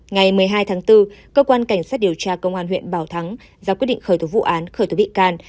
ngày một mươi hai tháng bốn cơ quan cảnh sát điều tra công an huyện bảo thắng do quyết định khởi thủ vụ án khởi thủ bị can